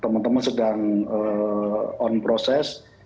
teman teman sedang on process